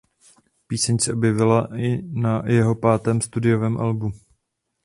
Píseň se objevila i na jeho pátém studiovém albu.